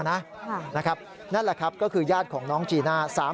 ครับนะครับนั่นแหละครับก็คือยาดของน้องจีน่า